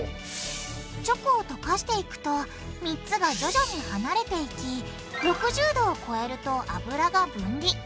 チョコをとかしていくと３つが徐々に離れていき６０℃を超えると脂が分離。